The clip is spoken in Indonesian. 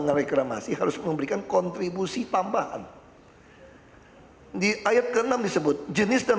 dengan reklamasi harus memberikan kontribusi tambahan di ayat ke enam disebut jenis dan